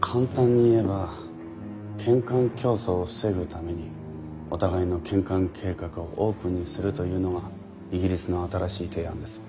簡単に言えば建艦競争を防ぐためにお互いの建艦計画をオープンにするというのがイギリスの新しい提案です。